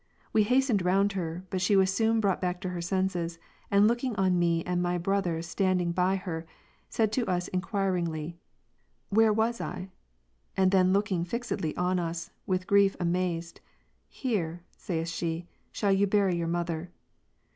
We hastened round her ; but she was soon brought back to her senses ; and looking on me and my brother* standing by her, said to us enquiringly, "Where was I }" And then looking fixedly on us, with grief amazed ;" Here," saith she, " shall you bury your mother.''